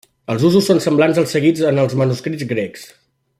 Els usos són semblants als seguits en els manuscrits grecs.